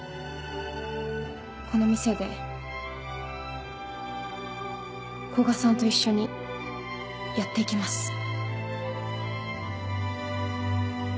この店で古賀さんと一緒にやって行きます。